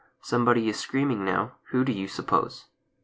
Somebody is screaming now, Who, do you suppose?